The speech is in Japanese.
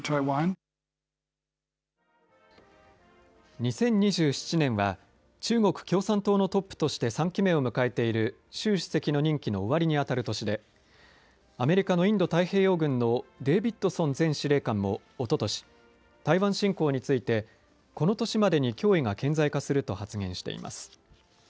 ２０２７年は中国共産党のトップとして３期目を迎えている習主席の任期の終わりにあたる年でアメリカのインド太平洋軍のデービッドソン前司令官もおととし台湾侵攻についてこの年までに脅威が顕在化すると発言しています。